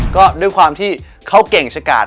ก็ด้วยความที่เขาเก่งชะกาด